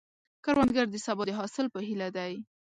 کروندګر د سبا د حاصل په هیله دی